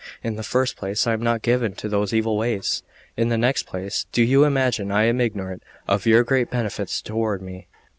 In the first place, I am not given to those evil ways; in the next place, do you imagine I am ignorant of your great benefits toward me?"